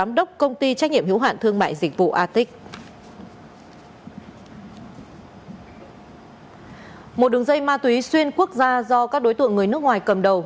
một đường dây ma túy xuyên quốc gia do các đối tượng người nước ngoài cầm đầu